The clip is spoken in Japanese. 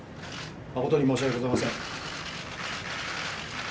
誠に申し訳ございません。